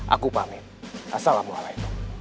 aku pamit assalamualaikum